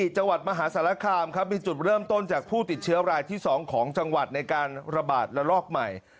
จังหวัดมหาสารคามครับมีจุดเริ่มต้นจากผู้ติดเชื้อรายที่๒ของจังหวัดในการระบาดระลอกใหม่